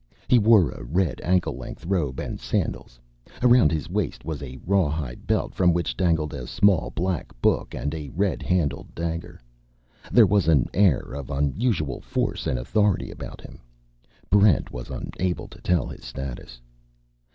He wore a red ankle length robe and sandals. Around his waist was a rawhide belt from which dangled a small black book and a red handled dagger. There was an air of unusual force and authority about him. Barrent was unable to tell his status.